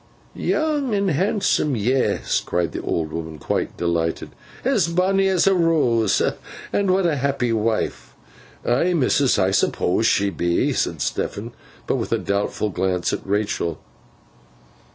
'Young and handsome. Yes!' cried the old woman, quite delighted. 'As bonny as a rose! And what a happy wife!' 'Aye, missus, I suppose she be,' said Stephen. But with a doubtful glance at Rachael.